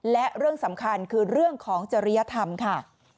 และเรื่องสำคัญคือเรื่องของจริยธรรมค่ะ